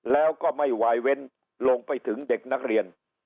แล้วก็ไม่วายเว้นลงไปถึงเด็กนักเรียน